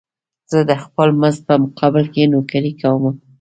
زه د خپل مزد په مقابل کې نوکري کومه.